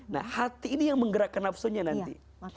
nah hati ini yang menggerakkan nafsunya nanti